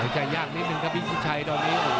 จะยากนิดนึงครับพี่สุชัยตอนนี้